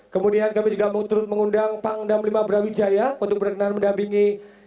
kemudian kami juga terus mengundang pangdam lima brawijaya untuk berkenan mendampingi